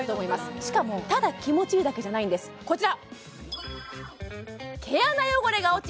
しかもただ気持ちいいだけじゃないんですこちら！